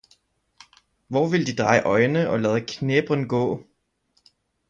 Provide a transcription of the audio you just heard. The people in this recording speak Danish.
hvor ville de dreie Øine og lade Knebbren gaae!